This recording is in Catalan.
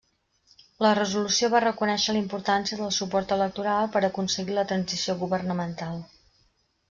La resolució va reconèixer la importància del suport electoral per aconseguir la transició governamental.